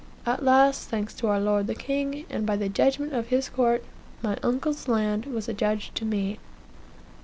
"At last, thanks to our lord the king, and by judgment of his court, my uncle's land was adjudged to me."